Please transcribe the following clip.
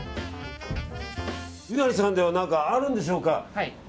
うなりさんでは何かあるんでしょうか。